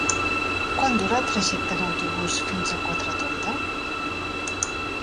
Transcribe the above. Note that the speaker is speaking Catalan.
Quant dura el trajecte en autobús fins a Quatretonda?